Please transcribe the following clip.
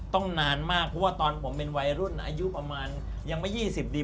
นานมากเพราะว่าตอนผมเป็นวัยรุ่นอายุประมาณยังไม่๒๐ดี